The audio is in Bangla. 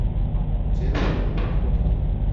জেফ, কোথায় আপনি?